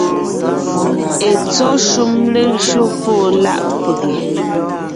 Etsɔ́ shúm lejÿo fóo láʼ pege,